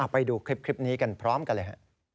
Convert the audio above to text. ไปดูคลิปนี้กันพร้อมกันเลยฮะ